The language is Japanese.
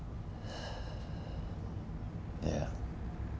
いや。